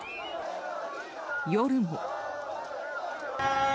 夜も。